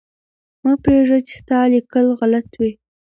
مه پرېږده چې ستا لیکل غلط وي.